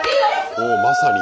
おまさに。